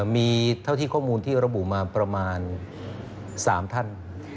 มีเท่าที่ข้อมูลที่ระบุมาประมาณ๓ท่าน